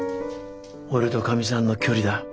俺とカミさんの距離だ。